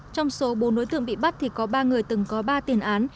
trong số bốn đối tượng bị bắt thì có ba người từng có ba tiền án